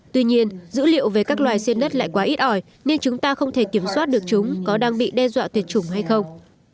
tuy nhiên dữ liệu về các loài sen đất lại quá ít ỏi nên chúng ta không thể kiểm soát được chúng có đang bị đe dọa tuyệt chủng hay không